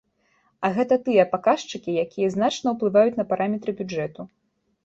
А гэта тыя паказчыкі, якія значна ўплываюць на параметры бюджэту.